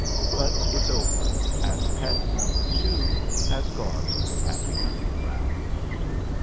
But it's over, and Pet No. 2 has gone to his happy hunting grounds.